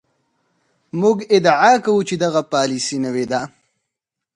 موږ ادعا کوو چې دغه پالیسي نوې ده.